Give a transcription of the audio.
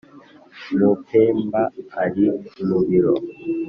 mupemba ari mu biro